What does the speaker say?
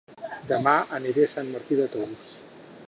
Dema aniré a Sant Martí de Tous